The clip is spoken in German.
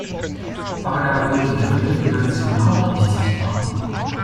Aber da wird die dritte Dimension auch nicht sichtbar.